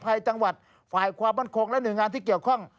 จังหวัดฝ่ายความมั่นคงและหน่วยงานที่เกี่ยวข้อง